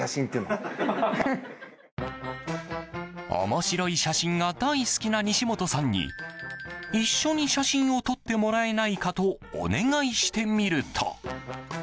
面白い写真が大好きな西本さんに一緒に写真を撮ってもらえないかとお願いしてみると。